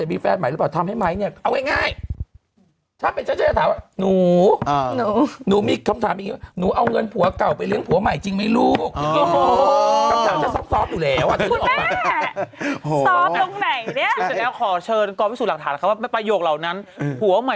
เออเราไม่ต้องถามถามสิคนหลังนี้ก็เชิญมาออกรายการสิ